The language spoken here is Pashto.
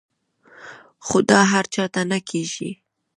خو دا هر چاته نۀ کيږي -